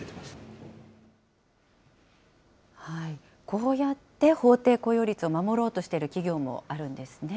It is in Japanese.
こうやって法定雇用率を守ろうとしている企業もあるんですね。